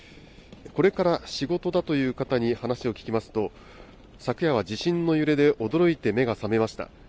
これから仕事だという方に話を聞きますと、昨夜は地震の揺れで驚いて目が覚めました。